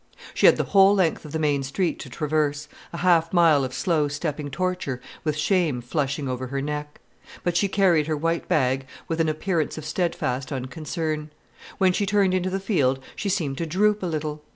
She had the whole length of the main street to traverse, a half mile of slow stepping torture, with shame flushing over her neck. But she carried her white bag with an appearance of steadfast unconcern. When she turned into the field she seemed to droop a little.